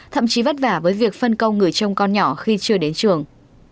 thậm chí vất vả với việc phân công người trông con nhỏ khi chưa đến trường